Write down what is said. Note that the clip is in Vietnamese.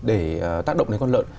để tác động đến con lợn